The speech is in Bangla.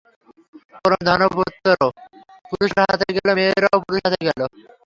ক্রমে ধন-পত্র পুরুষের হাতে গেল, মেয়েরাও পুরুষের হাতে গেল।